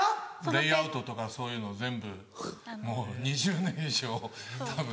レイアウトとかそういうの全部もう２０年以上たぶん同じ。